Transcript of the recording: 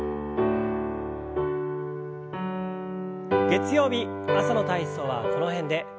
月曜日朝の体操はこの辺で。